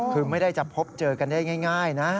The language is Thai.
คือไม่ได้จะพบเจอกันได้ง่ายนะ